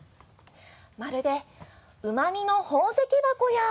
まるでうま味の宝石箱や。